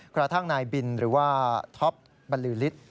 กระทั่งนายบินหรือว่าท็อปบรรลือฤทธิ์